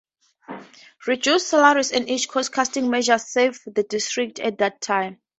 Reduced salaries and other cost-cutting measures saved the district at that time.